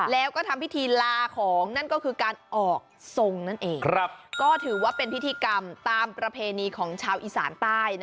แล้วก็ทำพิธีลาของนั่นก็คือการออกทรงนั่นเองก็ถือว่าเป็นพิธีกรรมตามประเพณีของชาวอีสานใต้